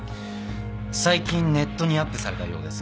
最近ネットにアップされたようです。